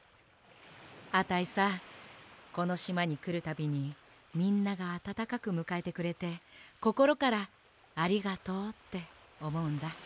あたいさこのしまにくるたびにみんながあたたかくむかえてくれてこころからありがとうっておもうんだ。